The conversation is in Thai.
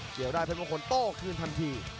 เกี่ยวได้เพื่อนคนโต้คลื่นทันที